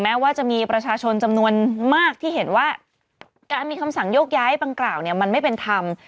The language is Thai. แม้ว่าจะมีประชาชนจำนวนมากที่เห็นว่าการมีคำสั่งโยกย้ายดังกล่าวเนี่ยมันไม่เป็นธรรม